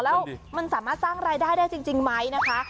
แล้วมันสามารถสร้างรายได้ได้จริงไหมนะคะ